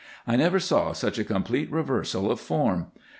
I never saw such a complete reversal of form.